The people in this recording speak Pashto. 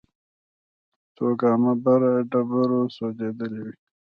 څو ګامه بره ډبرې سوځېدلې وې.